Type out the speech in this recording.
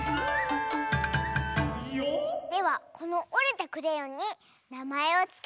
ではこのおれたクレヨンになまえをつけて。